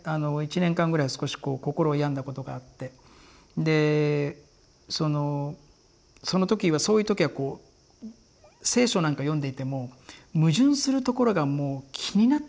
１年間ぐらい少し心を病んだことがあってそういう時は「聖書」なんか読んでいても矛盾するところがもう気になってしょうがない。